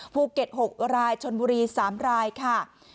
ภูเก็ต๖รายชนบุรี๓รายค่ะ